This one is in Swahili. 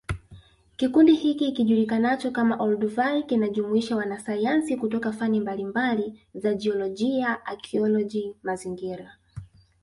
Kikundi hiki kijulikanacho kama Olduvai kinajumuisha wanasayansi kutoka fani mbalimbali za jiolojia akioloji mazingira